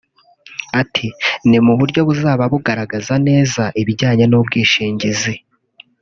Ati “Ni mu buryo buzaba bugaragaza neza ibijyanye n’ubwishingizi